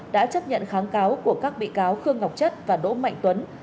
đã chấp nhận kháng cáo của các bị cáo khương ngọc chất và đỗ mạnh tuấn